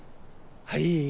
はい。